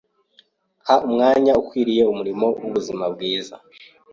Ha Umwanya Ukwiriye Umurimo w’Ubuzima bwiza